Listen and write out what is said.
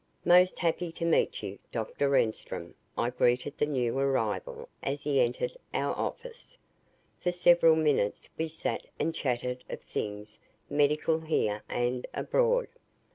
"Most happy to meet you, Dr. Reinstrom," I greeted the new arrival, as he entered our office. For several minutes we sat and chatted of things medical here and abroad.